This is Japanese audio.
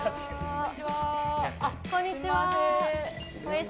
こんにちは。